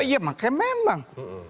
oh iya makanya memang